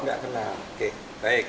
nggak kenal oke baik